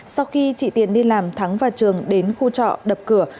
sau khi chị tiền đi làm thắng và trường đến khu trọ đập cửa